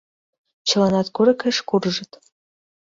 Чыланат курыкыш куржыт.